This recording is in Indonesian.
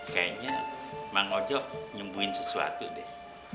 kayaknya bang ojok nyembuhin sesuatu deh